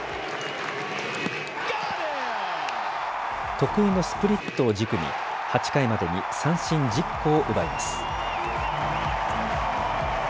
得意のスプリットを軸に８回までに三振１０個を奪います。